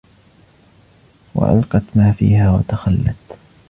وألقت ما فيها وتخلت